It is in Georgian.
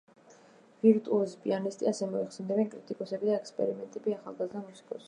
ვირტუოზი პიანისტი, ასე მოიხსენიებენ კრიტიკოსები და ექსპერტები ახალგაზრდა მუსიკოსს.